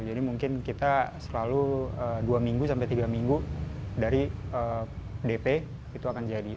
jadi mungkin kita selalu dua tiga minggu dari dp itu akan jadi